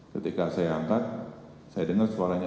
ketika saya angkat saya dengar suaranya